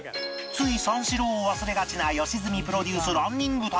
つい三四郎を忘れがちな良純プロデュースランニング旅